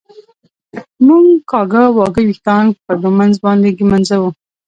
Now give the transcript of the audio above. مونږ کاږه واږه وېښتان په ږمونځ باندي ږمنځوو